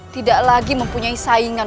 tidak lagi mempunyai saingan